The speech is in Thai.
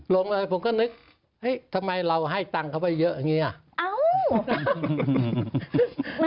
ลงไปเลยผมก็นึกทำไมเราให้ตังค์เขาเยอะทำไมว่างี้